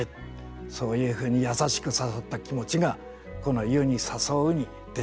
そういうふうに優しく誘った気持ちがこの「湯に誘ふ」に出ています。